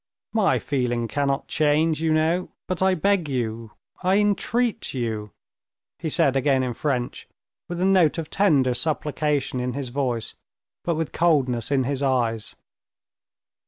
"My feeling cannot change, you know, but I beg you, I entreat you," he said again in French, with a note of tender supplication in his voice, but with coldness in his eyes.